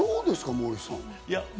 モーリーさん。